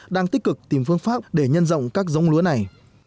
đang tích cực tìm phương pháp để nhân rộng các giống lúa này